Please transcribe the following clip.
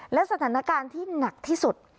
และสถานการณ์ที่หนักที่สุด